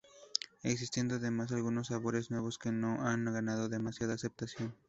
Existiendo además algunos sabores nuevos que no han ganado demasiada aceptación.